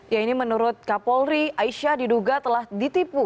ya ini menurut kapolri aisyah diduga telah ditipu